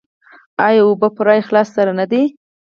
آیا او په پوره اخلاص سره نه دی؟